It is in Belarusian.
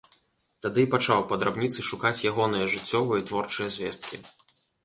Тады і пачаў па драбніцы шукаць ягоныя жыццёвыя і творчыя звесткі.